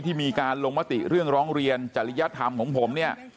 ที่มีการลงมติเรื่องร้องเรียนจริยธรรมของผมเนี่ย